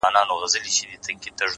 • د فاصلو په تول کي دومره پخه سوې يمه ـ